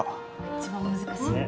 一番難しいよね。